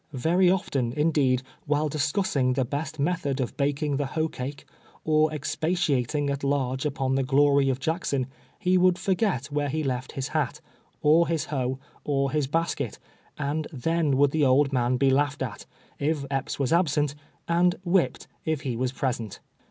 Very ofteUj indeed, while discussing the best method of baking the hoe cake, or expatiating at large upon the glory of Jackson, be would forget where be left bis hat, or his hoe, or his basket ; and then would the old man be laughed at, if Epps was absent, and whip ped if he was present.